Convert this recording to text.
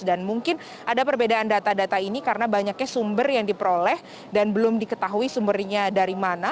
dan mungkin ada perbedaan data data ini karena banyaknya sumber yang diperoleh dan belum diketahui sumbernya dari mana